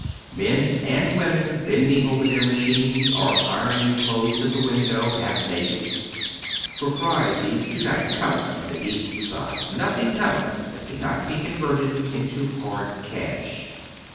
Men and women bending over tlieir machines, or ii oning clothes at the window, half naked. Proprieties do not count on the East Side ; notliing counts that can not be converted into hard cash.